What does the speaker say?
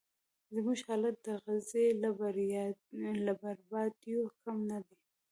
زموږ حالت د غزې له بربادیو کم نه دی.